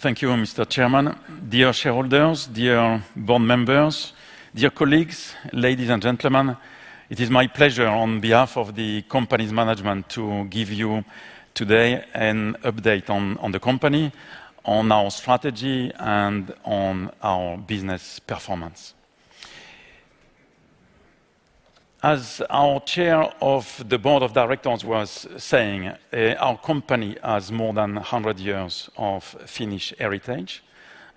Thank you, Mr. Chairman. Dear shareholders, dear board members, dear colleagues, ladies and gentlemen, it is my pleasure on behalf of the company's management to give you today an update on the company, on our strategy, and on our business performance. As our chair of the board of directors was saying, our company has more than 100 years of Finnish heritage,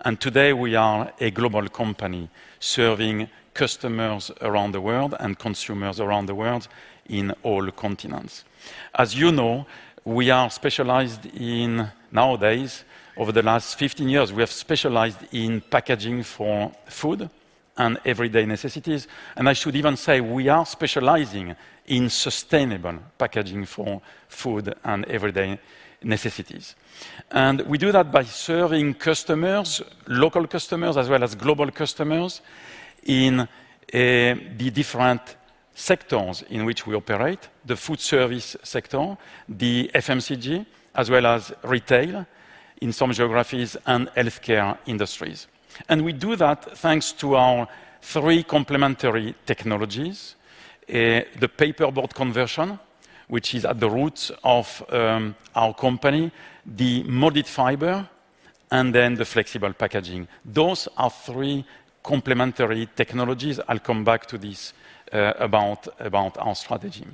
and today we are a global company serving customers around the world and consumers around the world in all continents. As you know, we are specialized in nowadays, over the last 15 years, we have specialized in packaging for food and everyday necessities, and I should even say we are specializing in sustainable packaging for food and everyday necessities. We do that by serving customers, local customers, as well as global customers, in the different sectors in which we operate: the food service sector, the FMCG, as well as retail in some geographies and healthcare industries. We do that thanks to our three complementary technologies: the paperboard conversion, which is at the roots of our company, the molded fiber, and then the flexible packaging. Those are three complementary technologies. I'll come back to this about our strategy.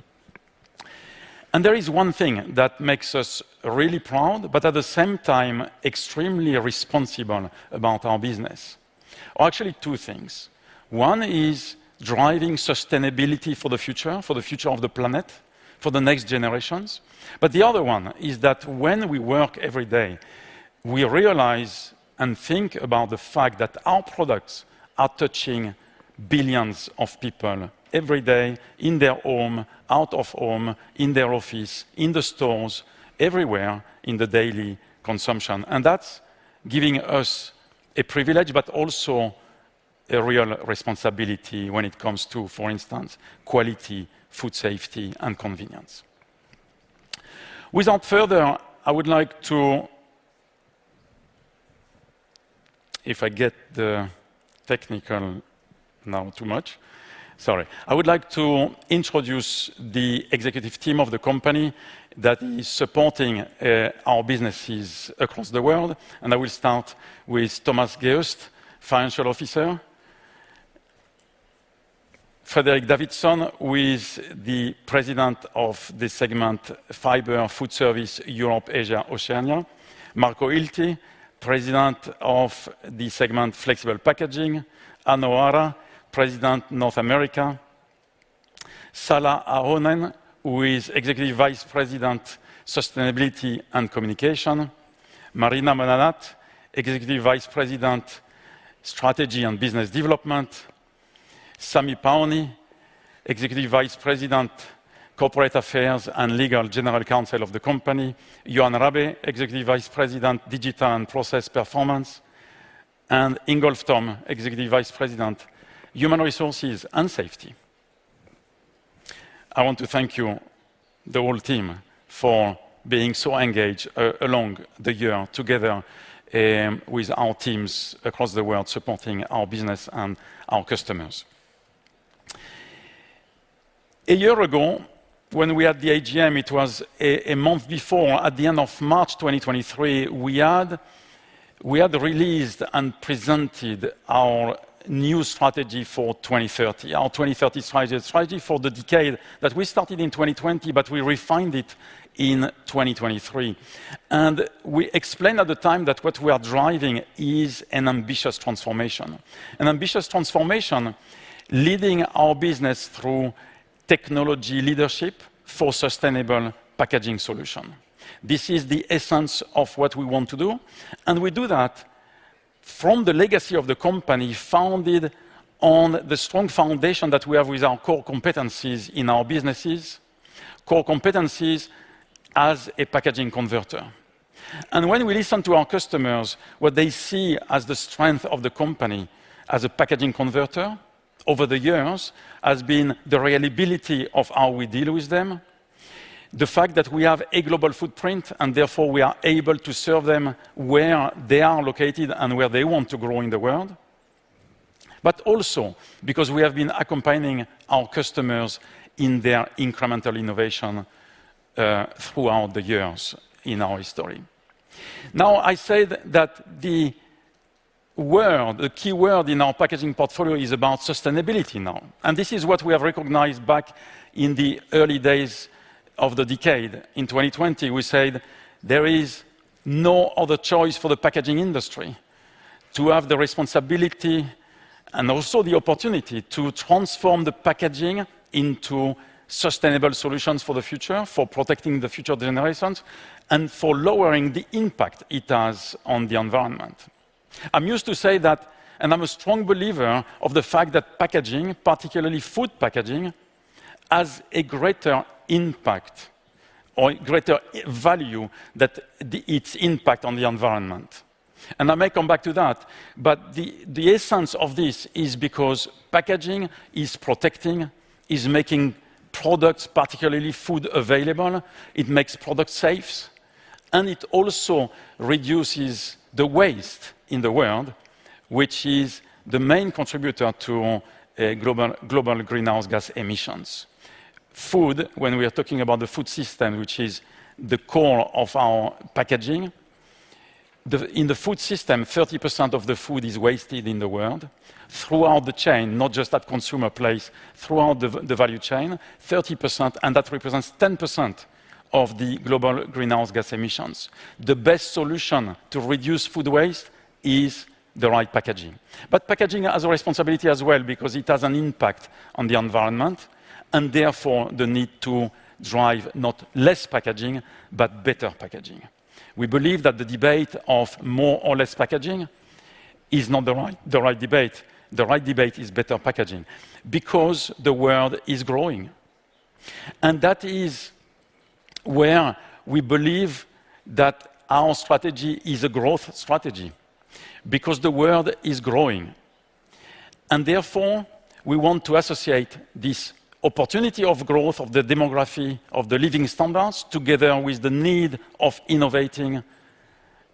There is one thing that makes us really proud, but at the same time, extremely responsible about our business. Actually, two things. One is driving sustainability for the future, for the future of the planet, for the next generations. But the other one is that when we work every day, we realize and think about the fact that our products are touching billions of people every day in their home, out of home, in their office, in the stores, everywhere in the daily consumption. And that's giving us a privilege, but also a real responsibility when it comes to, for instance, quality, food safety, and convenience. Without further, I would like to... If I get the technical now, too much. Sorry. I would like to introduce the executive team of the company that is supporting our businesses across the world, and I will start with Thomas Geust, Financial Officer; Fredrik Davidsson, who is the President of the segment Fiber Foodservice, Europe, Asia, Oceania; Marco Hilty, President of the segment Flexible Packaging; Ann O’Hara, President, North America; Salla Ahonen, who is Executive Vice President, Sustainability and Communications; Marina Madanat, Executive Vice President, Strategy and Business Development; Sami Pauni, Executive Vice President, Corporate Affairs and Legal, General Counsel of the company; Johan Rabe, Executive Vice President, Digital and Process Performance; and Ingolf Thom, Executive Vice President, Human Resources and Safety. I want to thank you, the whole team, for being so engaged along the year, together with our teams across the world, supporting our business and our customers. A year ago, when we had the AGM, it was a month before, at the end of March 2023, we had released and presented our new strategy for 2030, our 2030 strategy, strategy for the decade, that we started in 2020, but we refined it in 2023. We explained at the time that what we are driving is an ambitious transformation. An ambitious transformation, leading our business through technology leadership for sustainable packaging impact or greater value than its impact on the environment. And I may come back to that, but the essence of this is because packaging is protecting, is making products, particularly food available, it makes products safe, and it also reduces the waste in the world, which is the main contributor to global greenhouse gas emissions. Food, when we are talking about the food system, which is the core of our packaging, in the food system, 30% of the food is wasted in the world throughout the chain, not just at consumer place, throughout the value chain, 30%, and that represents 10% of the global greenhouse gas emissions. The best solution to reduce food waste is the right packaging. But packaging has a responsibility as well because it has an impact on the environment, and therefore, the need to drive not less packaging, but better packaging. We believe that the debate of more or less packaging is not the right, the right debate. The right debate is better packaging because the world is growing. And that is where we believe that our strategy is a growth strategy, because the world is growing. And therefore, we want to associate this opportunity of growth, of the demography, of the living standards, together with the need of innovating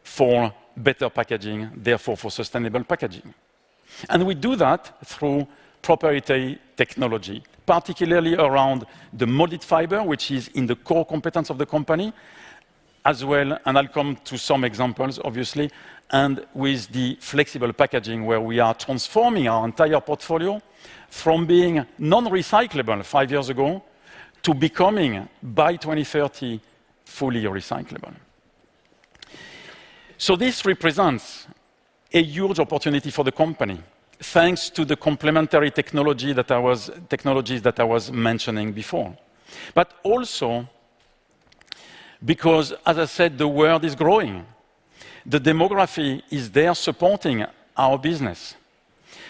for better packaging, therefore, for sustainable packaging. And we do that through proprietary technology, particularly around the molded fiber, which is in the core competence of the company, as well, and I'll come to some examples, obviously, and with the flexible packaging, where we are transforming our entire portfolio from being non-recyclable five years ago to becoming, by 2030, fully recyclable. So this represents a huge opportunity for the company, thanks to the complementary technologies that I was mentioning before. But also because, as I said, the world is growing. The demography is there supporting our business,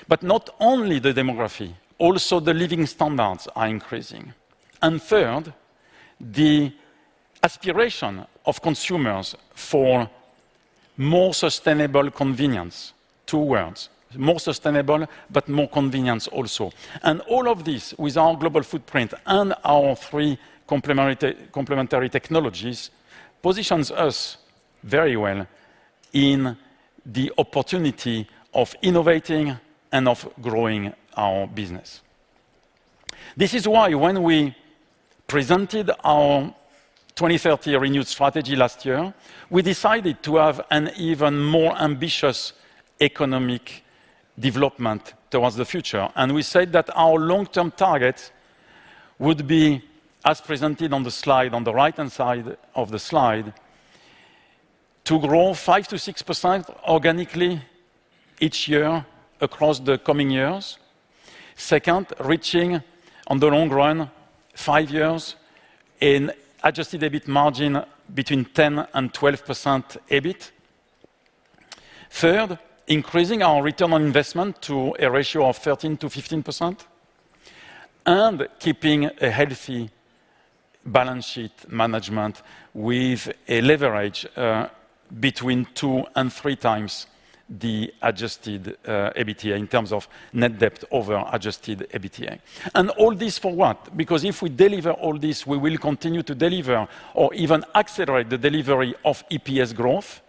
but not only the demography, also the living standards are increasing. And third, the aspiration of consumers for more sustainable convenience. Towards more sustainable, but more convenience also. And all of this, with our global footprint and our three complementary, complementary technologies, positions us very well in the opportunity of innovating and of growing our business. This is why when we presented our 2030 renewed strategy last year, we decided to have an even more ambitious economic development towards the future. And we said that our long-term target would be, as presented on the slide, on the right-hand side of the slide, to grow 5%-6% organically each year across the coming years. Second, reaching on the long run, five years, an Adjusted EBIT margin between 10%-12% EBIT. Third, increasing our return on investment to a ratio of 13%-15%, and keeping a healthy balance sheet management with a leverage between 2x and 3x the Adjusted EBITDA in terms of net debt over Adjusted EBITDA. And all this for what? Because if we deliver all this, we will continue to deliver or even accelerate the delivery of EPS growth,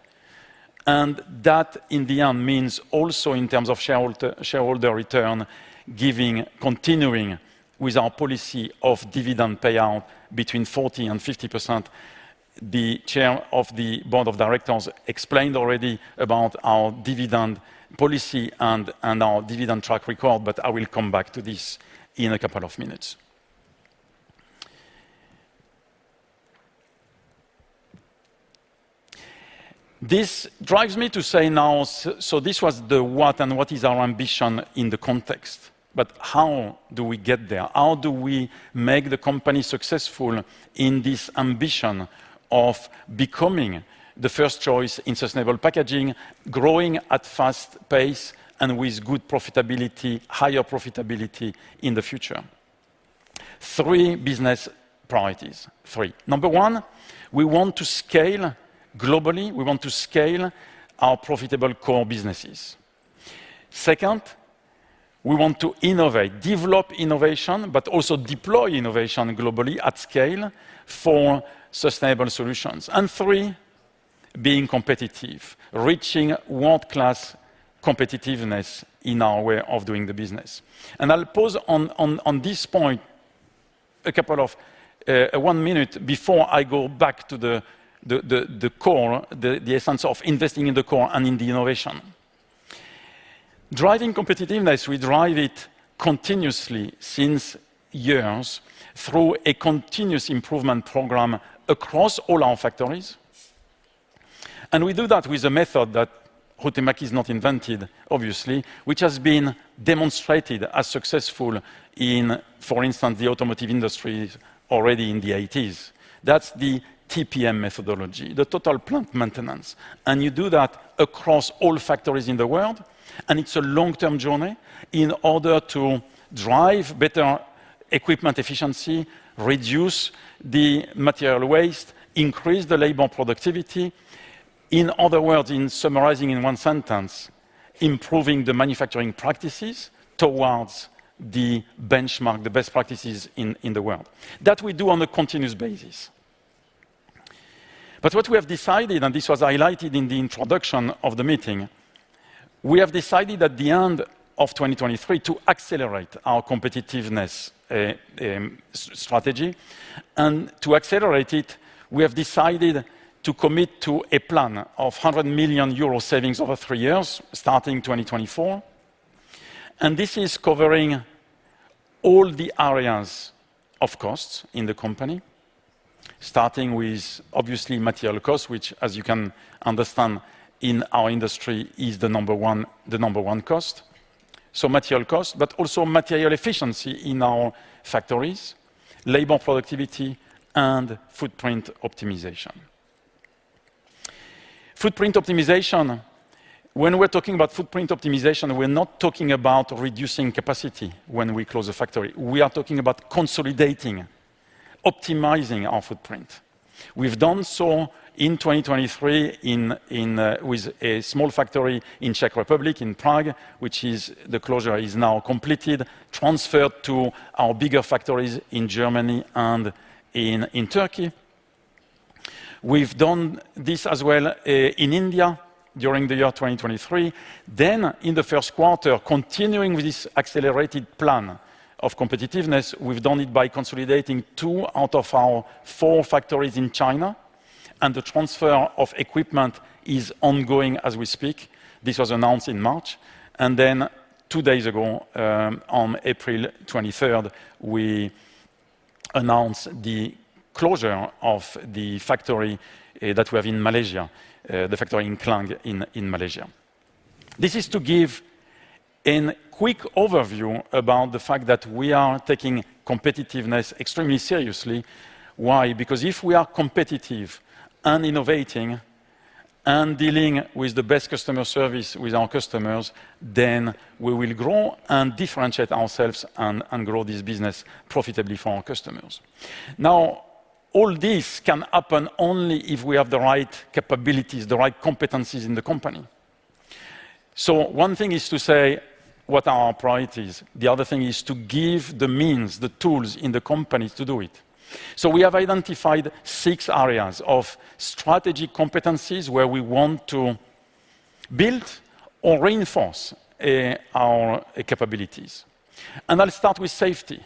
and that, in the end, means also in terms of shareholder, shareholder return, continuing with our policy of dividend payout between 40%-50%. The chair of the board of directors explained already about our dividend policy and our dividend track record, but I will come back to this in a couple of minutes. This drives me to say now, so this was the what and what is our ambition in the context, but how do we get there? How do we make the company successful in this ambition of becoming the first choice in sustainable packaging, growing at fast pace and with good profitability, higher profitability in the future? Three business priorities. Three. Number one, we want to scale globally. We want to scale our profitable core businesses. Second, we want to innovate, develop innovation, but also deploy innovation globally at scale for sustainable solutions. And three, being competitive, reaching world-class competitiveness in our way of doing the business. And I'll pause on this point a couple of one minute before I go back to the core, the essence of investing in the core and in the innovation. Driving competitiveness, we drive it continuously since years through a continuous improvement program across all our factories. And we do that with a method that Huhtamäki has not invented, obviously, which has been demonstrated as successful in, for instance, the automotive industry already in the '80s. That's the TPM methodology, the Total Productive Maintenance, and you do that across all factories in the world, and it's a long-term journey in order to drive better equipment efficiency, reduce the material waste, increase the labor productivity. In other words, in summarizing in one sentence—improving the manufacturing practices towards the benchmark, the best practices in, in the world. That we do on a continuous basis. But what we have decided, and this was highlighted in the introduction of the meeting, we have decided at the end of 2023 to accelerate our competitiveness strategy. And to accelerate it, we have decided to commit to a plan of 100 million euro savings over three years, starting 2024. This is covering all the areas of costs in the company, starting with, obviously, material costs, which, as you can understand, in our industry, is the number one, the number one cost. So material cost, but also material efficiency in our factories, labor productivity, and footprint optimization. Footprint optimization, when we're talking about footprint optimization, we're not talking about reducing capacity when we close a factory. We are talking about consolidating, optimizing our footprint. We've done so in 2023 with a small factory in Czech Republic, in Prague, which is, the closure is now completed, transferred to our bigger factories in Germany and in Turkey. We've done this as well in India during the year 2023. Then, in the first quarter, continuing with this accelerated plan of competitiveness, we've done it by consolidating 2 out of our 4 factories in China, and the transfer of equipment is ongoing as we speak. This was announced in March. And then 2 days ago, on April 23rd, we announced the closure of the factory that we have in Malaysia, the factory in Klang in Malaysia. This is to give a quick overview about the fact that we are taking competitiveness extremely seriously. Why? Because if we are competitive and innovating, and dealing with the best customer service with our customers, then we will grow and differentiate ourselves and grow this business profitably for our customers. Now, all this can happen only if we have the right capabilities, the right competencies in the company. So one thing is to say what are our priorities, the other thing is to give the means, the tools in the company to do it. So we have identified six areas of strategy competencies where we want to build or reinforce our capabilities. And I'll start with safety.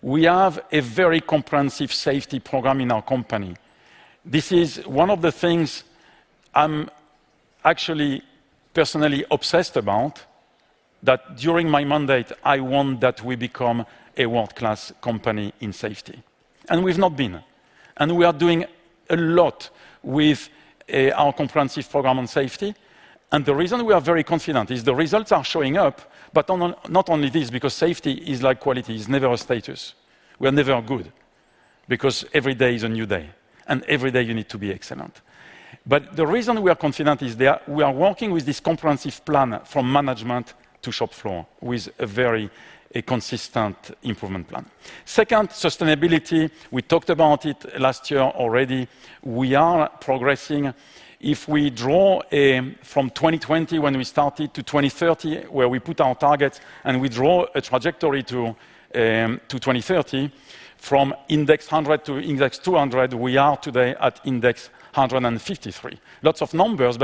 We have a very comprehensive safety program in our company. This is one of the things I'm actually personally obsessed about, that during my mandate, I want that we become a world-class company in safety, and we've not been. And we are doing a lot with our comprehensive program on safety, and the reason we are very confident is the results are showing up. But not only this, because safety is like quality, it's never a status. We are never good, because every day is a new day, and every day you need to be excellent. But the reason we are confident is that we are working with this comprehensive plan from management to shop floor, with a very consistent improvement plan. Second, sustainability. We talked about it last year already. We are progressing. If we draw from 2020, when we started, to 2030, where we put our targets, and we draw a trajectory to 2030, from index 100 to index 200, we are today at index 153. Lots of numbers,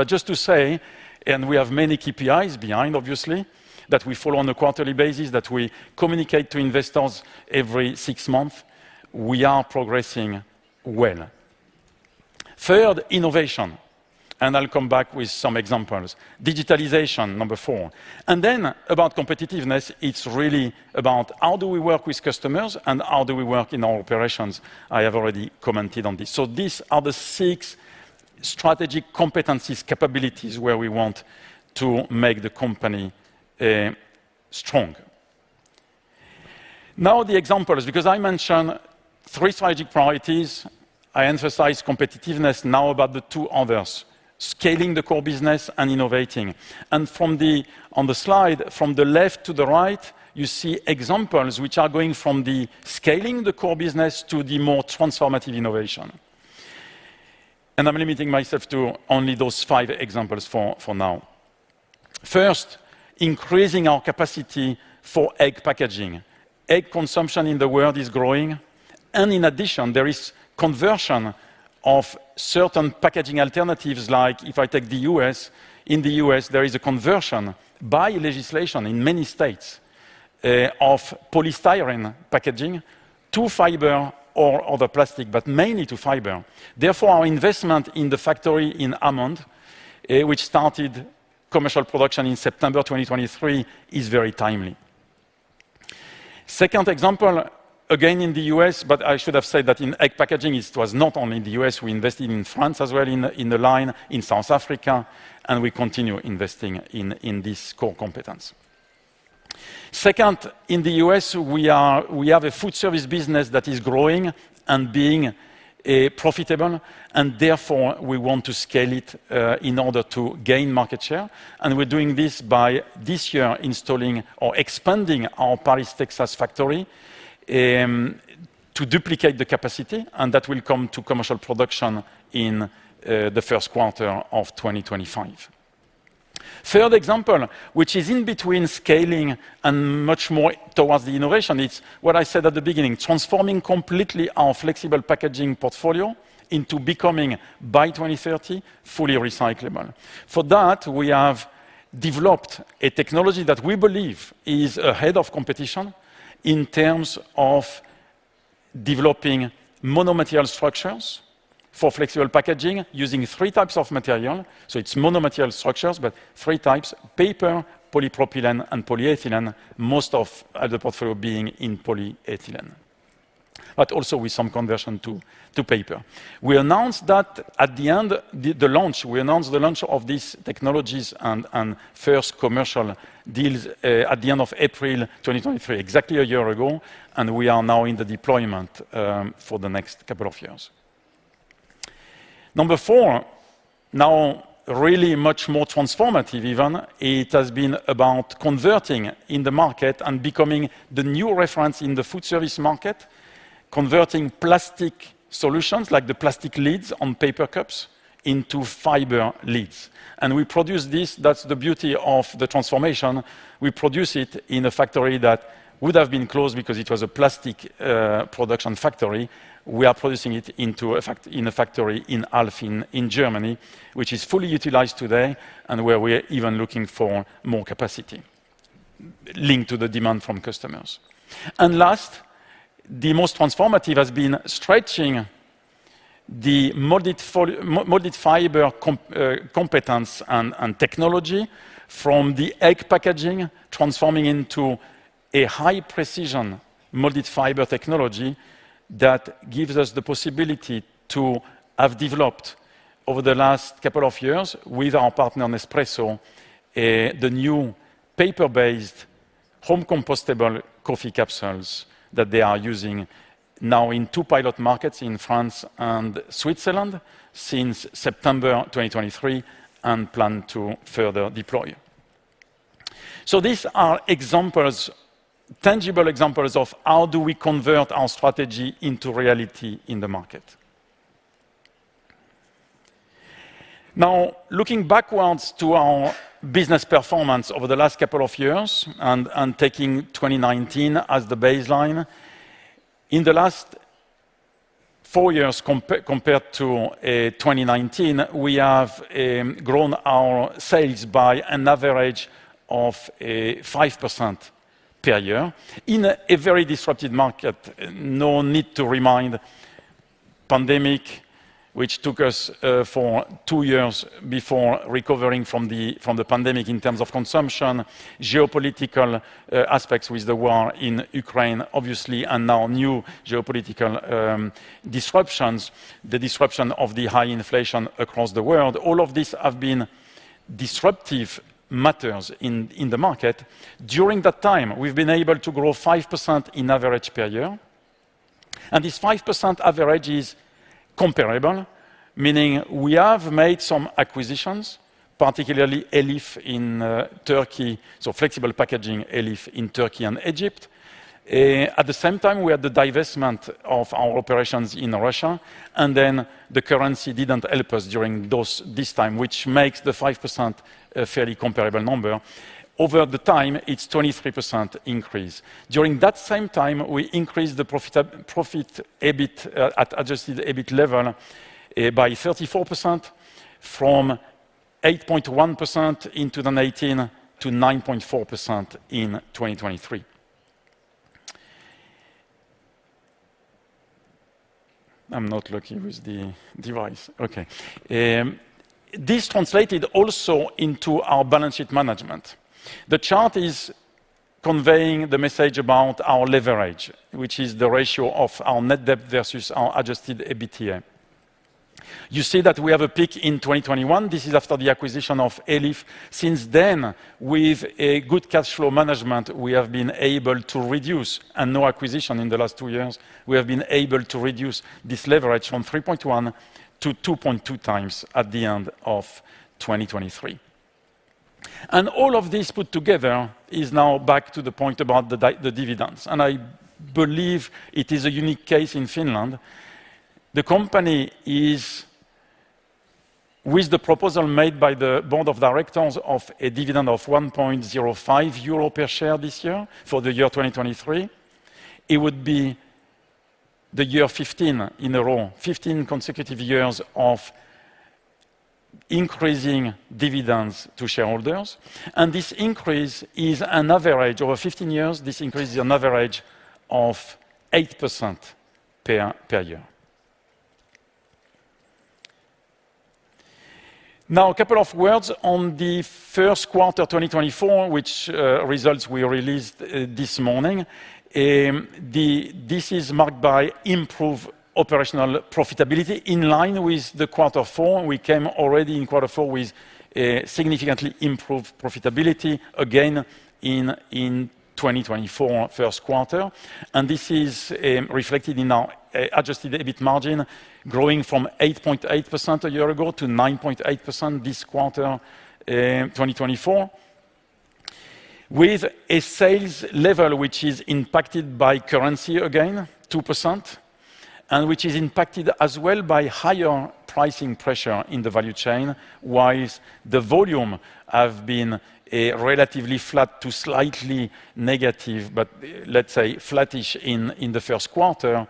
but just to say, and we have many KPIs behind, obviously, that we follow on a quarterly basis, that we communicate to investors every six months, we are progressing well. Third, innovation, and I'll come back with some examples. Digitalization, number four. And then, about competitiveness, it's really about how do we work with customers and how do we work in our operations? I have already commented on this. So these are the six strategic competencies, capabilities, where we want to make the company strong. Now, the examples, because I mentioned three strategic priorities, I emphasize competitiveness. Now, about the two others: scaling the core business and innovating. On the slide, from the left to the right, you see examples which are going from the scaling the core business to the more transformative innovation. And I'm limiting myself to only those five examples for now. First, increasing our capacity for egg packaging. Egg consumption in the world is growing, and in addition, there is conversion of certain packaging alternatives, like if I take the U.S., in the U.S., there is a conversion by legislation in many states of polystyrene packaging to fiber or other plastic, but mainly to fiber. Therefore, our investment in the factory in Hammond, which started commercial production in September 2023, is very timely. Second example, again, in the U.S., but I should have said that in egg packaging, it was not only in the U.S., we invested in France as well, in, in the line, in South Africa, and we continue investing in this core competence. Second, in the U.S., we are- we have a food service business that is growing and being profitable, and therefore, we want to scale it in order to gain market share. And we're doing this by this year installing or expanding our Paris, Texas factory to duplicate the capacity, and that will come to commercial production in the first quarter of 2025. Third example, which is in between scaling and much more towards the innovation, it's what I said at the beginning, transforming completely our flexible packaging portfolio into becoming, by 2030, fully recyclable. For that, we have developed a technology that we believe is ahead of competition in terms of developing mono-material structures for flexible packaging, using three types of material. So it's mono-material structures, but three types: paper, polypropylene, and polyethylene, most of the portfolio being in polyethylene, but also with some conversion to paper. We announced that at the end, the launch, we announced the launch of these technologies and first commercial deals at the end of April 2023, exactly a year ago, and we are now in the deployment for the next couple of years. Number four, now really much more transformative even, it has been about converting in the market and becoming the new reference in the food service market, converting plastic solutions, like the plastic lids on paper cups, into fiber lids. And we produce this, that's the beauty of the transformation. We produce it in a factory that would have been closed because it was a plastic production factory. We are producing it in a factory in Alf, in Germany, which is fully utilized today, and where we're even looking for more capacity linked to the demand from customers. And last, the most transformative has been stretching the molded fiber competence and technology from the egg packaging, transforming into a high-precision molded fiber technology that gives us the possibility to have developed, over the last couple of years, with our partner, Nespresso, the new paper-based, home-compostable coffee capsules that they are using now in pilot markets, in France and Switzerland, since September 2023, and plan to further deploy. So these are examples, tangible examples, of how do we convert our strategy into reality in the market. Now, looking backwards to our business performance over the last couple of years, and taking 2019 as the baseline, in the last four years compared to 2019, we have grown our sales by an average of 5% per year in a very disrupted market. No need to remind: pandemic, which took us for two years before recovering from the, from the pandemic in terms of consumption, geopolitical aspects with the war in Ukraine, obviously, and now new geopolitical disruptions, the disruption of the high inflation across the world. All of these have been disruptive matters in, in the market. During that time, we've been able to grow 5% on average per year, and this 5% average is comparable, meaning we have made some acquisitions, particularly Elif in Turkey, so flexible packaging, Elif in Turkey and Egypt. At the same time, we had the divestment of our operations in Russia, and then the currency didn't help us during this time, which makes the 5% a fairly comparable number. Over the time, it's 23% increase. During that same time, we increased the profit EBIT at Adjusted EBIT level by 34%, from 8.1% in 2018 to 9.4% in 2023. I'm not lucky with the device. Okay. This translated also into our balance sheet management. The chart is conveying the message about our leverage, which is the ratio of our net debt versus our Adjusted EBITDA. You see that we have a peak in 2021. This is after the acquisition of Elif. Since then, with a good cash flow management, we have been able to reduce, and no acquisition in the last two years, we have been able to reduce this leverage from 3.1x-2.2x at the end of 2023. All of this put together is now back to the point about the dividends, and I believe it is a unique case in Finland. The company is, with the proposal made by the board of directors of a dividend of 1.05 euro per share this year, for the year 2023, it would be the 15th year in a row, 15 consecutive years of increasing dividends to shareholders, and this increase is an average. Over 15 years, this increase is an average of 8% per year. Now, a couple of words on the first quarter 2024, which results we released this morning. This is marked by improved operational profitability. In line with the quarter four, we came already in quarter four with significantly improved profitability again in 2024 first quarter, and this is reflected in our Adjusted EBIT margin growing from 8.8% a year ago to 9.8% this quarter, 2024 with a sales level which is impacted by currency again 2%, and which is impacted as well by higher pricing pressure in the value chain, whilst the volume have been relatively flat to slightly negative, but let's say flattish in the first quarter.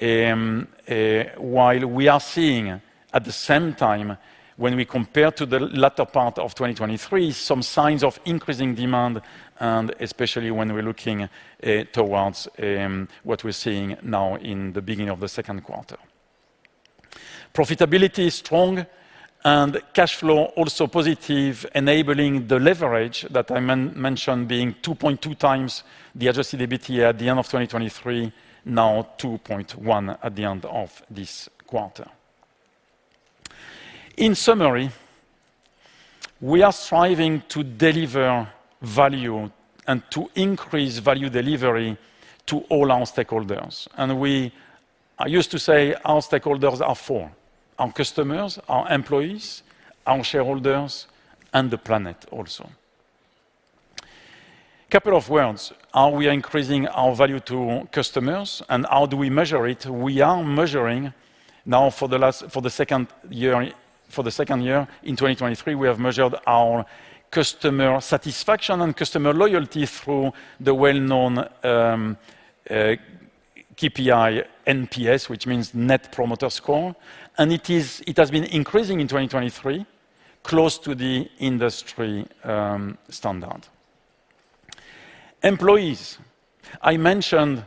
While we are seeing at the same time, when we compare to the latter part of 2023, some signs of increasing demand, and especially when we're looking towards what we're seeing now in the beginning of the second quarter. Profitability is strong and cash flow also positive, enabling the leverage that I mentioned being 2.2x the Adjusted EBITDA at the end of 2023, now 2.1 at the end of this quarter. In summary, we are striving to deliver value and to increase value delivery to all our stakeholders, and I used to say our stakeholders are four: our customers, our employees, our shareholders, and the planet also. Couple of words. How we are increasing our value to customers, and how do we measure it? We are measuring now, for the second year. In 2023, we have measured our customer satisfaction and customer loyalty through the well-known KPI, NPS, which means Net Promoter Score, and it has been increasing in 2023, close to the industry standard. Employees. I mentioned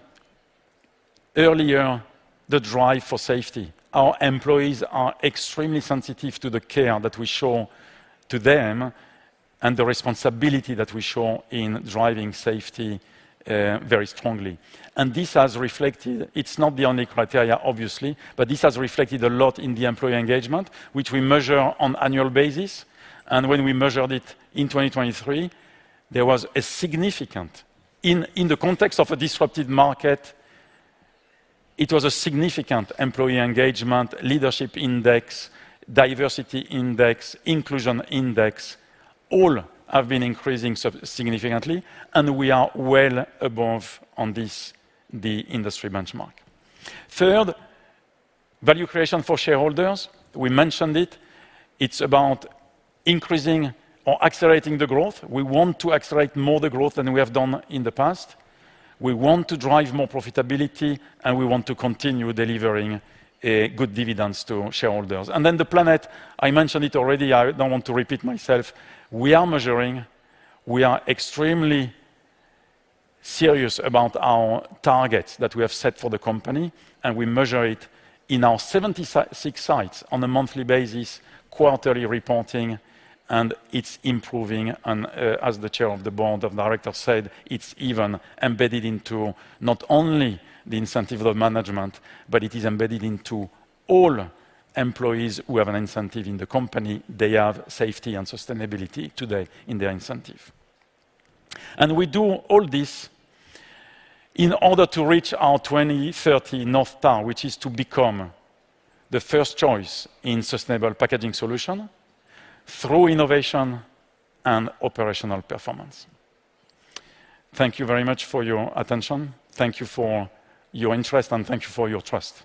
earlier the drive for safety. Our employees are extremely sensitive to the care that we show to them and the responsibility that we show in driving safety very strongly. This has reflected; it's not the only criteria, obviously, but this has reflected a lot in the employee engagement, which we measure on an annual basis. When we measured it in 2023, there was a significant. In the context of a disrupted market, it was a significant employee engagement, leadership index, diversity index, inclusion index; all have been increasing significantly, and we are well above on this, the industry benchmark. Third, value creation for shareholders. We mentioned it. It's about increasing or accelerating the growth. We want to accelerate more the growth than we have done in the past. We want to drive more profitability, and we want to continue delivering good dividends to shareholders. And then the planet, I mentioned it already. I don't want to repeat myself. We are measuring. We are extremely serious about our targets that we have set for the company, and we measure it in our 76 sites on a monthly basis, quarterly reporting, and it's improving. And, as the chair of the board of directors said, it's even embedded into not only the incentive of management, but it is embedded into all employees who have an incentive in the company. They have safety and sustainability today in their incentive. And we do all this in order to reach our 2030 North Star, which is to become the first choice in sustainable packaging solution through innovation and operational performance. Thank you very much for your attention. Thank you for your interest, and thank you for your trust.